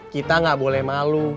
kita gak boleh malu